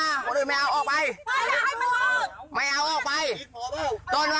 ไม่เอาออกไปไม่เอาไม่เอา